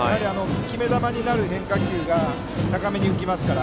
決め球になる変化球が高めに浮きますから。